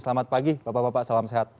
selamat pagi bapak bapak salam sehat